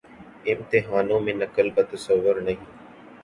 امتحانوں میں نقل کا تصور نہیں۔